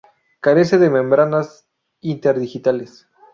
Carece de membranas interdigitales.